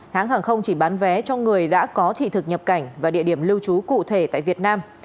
hãng hàng không chỉ bán vé cho người đã có thị thực nhập cảnh và địa điểm lưu trú cụ thể tại việt nam